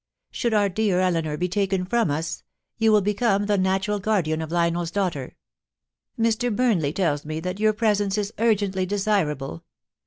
Should our dear Eleanor be taken from us, you will become the natural guardian of Lionel's daughter. Mr. Burnley tells me that your presence is urgently desirable.